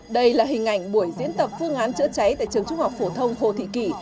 đây là hình ảnh buổi diễn tập phương án chữa cháy tại trường trung học phổ thông hồ thị kỷ